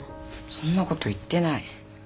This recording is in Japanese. そんなこと言ってない。